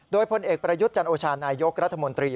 โดยพลเอกประยุทธ์จันโอชานายกรัฐมนตรี